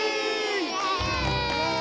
イエーイ！